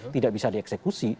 tidak bisa dieksekusi